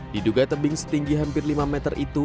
diduga tebing setinggi hampir lima meter itu